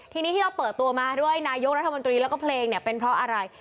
ทีนี้ที่เราเปิดตัวมาด้วยนายกรัฐมนตรีแล้วก็เพลงเนี่ยเป็นเพราะอะไร